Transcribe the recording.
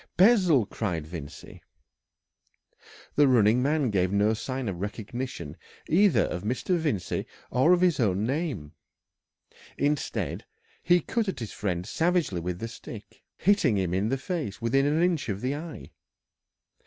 "Bessel!" cried Vincey. The running man gave no sign of recognition either of Mr. Vincey or of his own name. Instead, he cut at his friend savagely with the stick, hitting him in the face within an inch of the eye. Mr.